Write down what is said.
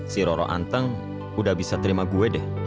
si roro anteng udah bisa terima gue deh